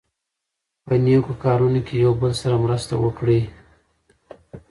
په نېکو کارونو کې یو بل سره مرسته وکړئ.